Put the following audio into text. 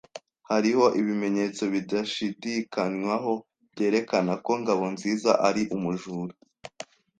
Hariho ibimenyetso bidashidikanywaho byerekana ko Ngabonziza ari umujura.